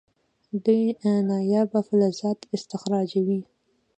دوی نایابه فلزات استخراجوي.